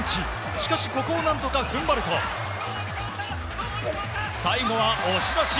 しかし、ここを何とか踏ん張ると最後は押し出し。